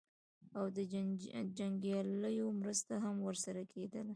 او د جنګیالیو مرسته هم ورسره کېدله.